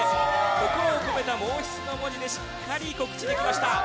心を込めた毛筆の文字でしっかり告知できました。